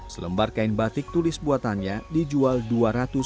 selembar kain batik tulis buatannya dijual dua ratus lima puluh hingga lima ratus ribu rupiah